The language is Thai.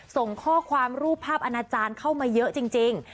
ส่งข้อความรูปภาพอาณาจารย์เข้ามาเยอะจริง